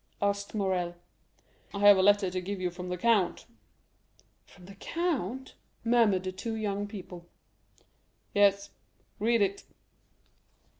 asked Morrel. "I have a letter to give you from the count." "From the count!" murmured the two young people. "Yes; read it."